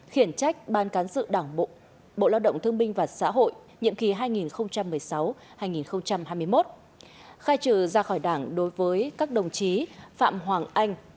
khiển trách ban cán sự đảng bộ lao động thương binh và xã hội nhiệm kỳ hai nghìn một mươi sáu hai nghìn hai mươi một khai trừ ra khỏi đảng đối với các đồng chí phạm hoàng anh